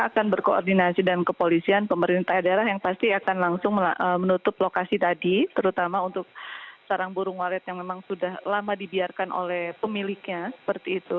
kita akan berkoordinasi dengan kepolisian pemerintah daerah yang pasti akan langsung menutup lokasi tadi terutama untuk sarang burung walet yang memang sudah lama dibiarkan oleh pemiliknya seperti itu